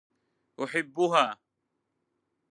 أحبها.